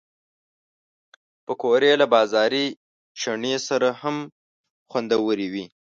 پکورې له بازاري چټني سره هم خوندورې وي